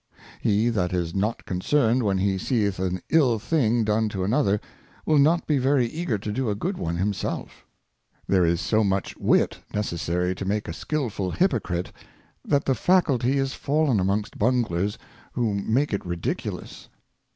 He that is not concerned when he seeth an ill thing done to another, will not be very eager to do a good one himself. Hypocrisy. THERE is so much Wit necessary to make a skilful Hypocrite, that the Faculty is fallen amongst Bunglers, who make it ridiculous. Injuries.